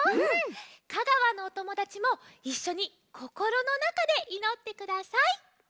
香川のおともだちもいっしょにこころのなかでいのってください。